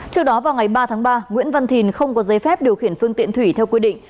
trước đó vào ngày ba tháng ba nguyễn văn thìn không có giấy phép điều khiển phương tiện thủy theo quy định